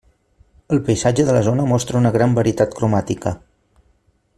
El paisatge de la zona mostra una gran varietat cromàtica.